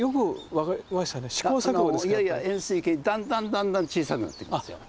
いやいや円すい形にだんだんだんだん小さくなっていくんですよ。